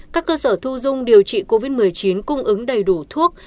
các cơ sở thu dung điều trị covid một mươi chín cung ứng đầy đủ thuốc